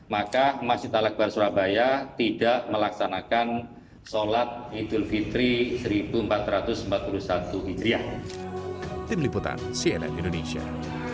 maka masjid al akbar surabaya tidak melaksanakan sholat idul fitri seribu empat ratus empat puluh satu hijriah